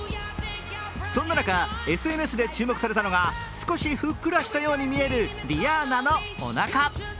そんな中、ＳＮＳで注目されたのが少しふっくらしたように見えるリアーナのおなか。